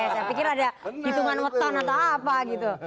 saya pikir ada hitungan beton atau apa gitu